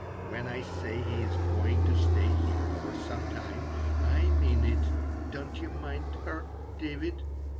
When I say he is going to stay here for some time I mean it. Don't you mind her, David."